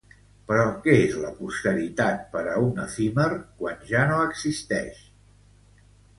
Però què és la posteritat per a un efímer quan ja no existeix?